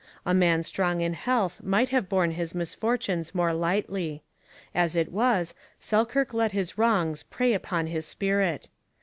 A man strong in health might have borne his misfortunes more lightly. As it was, Selkirk let his wrongs prey upon his spirit.